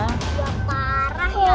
terima kasih pak